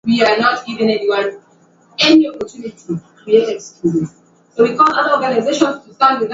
tayari imetimu saa kumi na mbili na nusu hapa dar es salam sawa kabisa